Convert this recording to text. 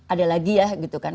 ada lagi ya gitu kan